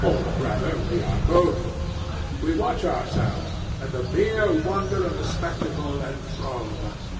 Or rather we are both. We watch ourselves, and the mere wonder of the spectacle enthralls us.